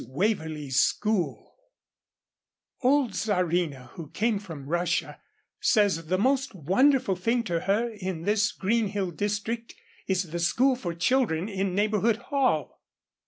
WAVERLEE'S SCHOOL Old Czarina, who came from Russia, says the most wonderful thing to her in this Green Hill district, is the school for children in Neighbourhood Hall.